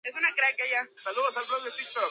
Trabajó luego en "El Periodista", entre otros medios.